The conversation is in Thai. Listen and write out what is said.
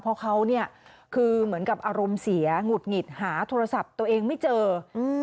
เพราะเขาเนี่ยคือเหมือนกับอารมณ์เสียหงุดหงิดหาโทรศัพท์ตัวเองไม่เจออืม